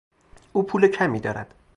او پول کمی دارد.